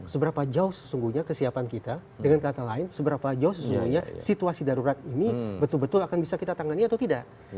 seberapa jauh sesungguhnya kesiapan kita dengan kata lain seberapa jauh sesungguhnya situasi darurat ini betul betul akan bisa kita tangani atau tidak